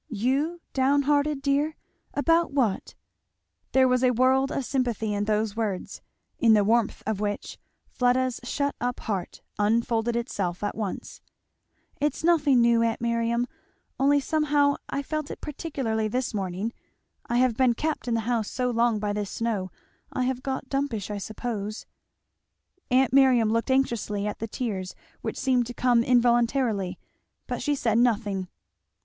"You down hearted, dear? About what?" There was a world of sympathy in these words, in the warmth of which Fleda's shut up heart unfolded itself at once. "It's nothing new, aunt Miriam, only somehow I felt it particularly this morning, I have been kept in the house so long by this snow I have got dumpish I suppose. " Aunt Miriam looked anxiously at the tears which seemed to come involuntarily, but she said nothing.